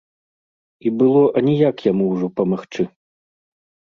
І было аніяк яму ўжо памагчы.